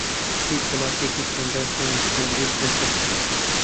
هیچ وڵاتێکی کەنداو خۆیان کاندید نەکرد